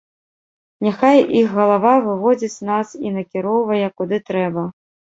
Няхай іх галава выводзіць нас і накіроўвае, куды трэба.